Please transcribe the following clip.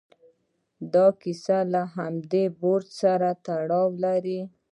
دا کیسه له همدې برج سره تړاو لري.